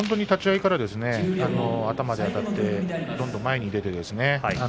立ち合いから頭であたって前に出るですね。